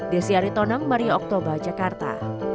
desyari tonang maria oktober jakarta